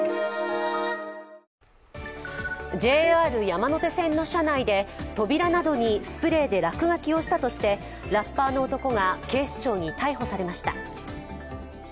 ＪＲ山手線の車内で扉などにスプレーで落書きをしたとしてラッパーの男が警視庁に逮捕されました。